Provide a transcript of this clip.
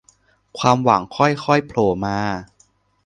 ความหวังค่อยค่อยโผล่มา